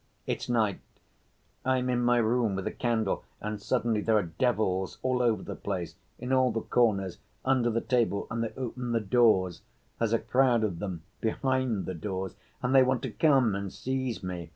It's night; I am in my room with a candle and suddenly there are devils all over the place, in all the corners, under the table, and they open the doors; there's a crowd of them behind the doors and they want to come and seize me.